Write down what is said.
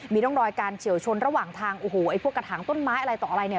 มีร่องรอยการเฉลจชนระหว่างทางพวกกระถางต้นไม้อะไรต่ออะไร